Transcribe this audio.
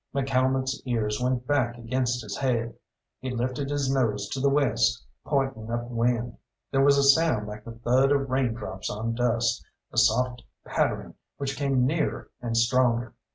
McCalmont's ears went back against his head, he lifted his nose to the west, pointing up wind. There was a sound like the thud of raindrops on dust, a soft pattering which came nearer and stronger.